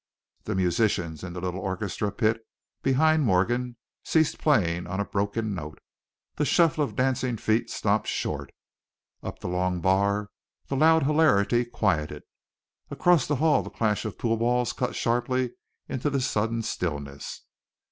The musicians in the little orchestra pit behind Morgan ceased playing on a broken note, the shuffle of dancing feet stopped short. Up the long bar the loud hilarity quieted; across the hall the clash of pool balls cut sharply into the sudden stillness.